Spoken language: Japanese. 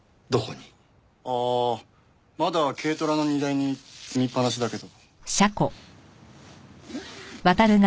ああまだ軽トラの荷台に積みっぱなしだけど。